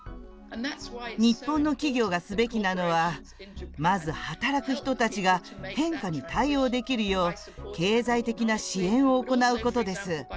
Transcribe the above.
日本の企業がすべきなのは、まず働く人たちが変化に対応できるよう経済的な支援を行うことです。